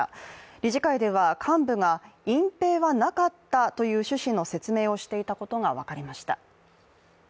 理事会では幹部が隠蔽はなかったという趣旨の説明をしていたことが分かりました。